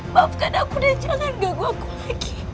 maafkan aku dan jangan ganggu aku lagi